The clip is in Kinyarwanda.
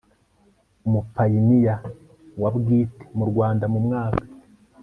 umupayiniya wa bwite mu rwanda mu mwaka